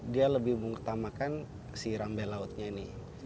dia lebih mengutamakan si rambe lautnya ini